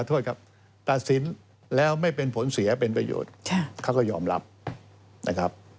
โทษครับตัดสินแล้วไม่เป็นผลเสียเป็นประโยชน์เขาก็ยอมรับนะครับ